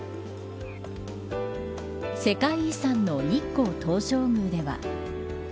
世界遺産の日光東照宮では。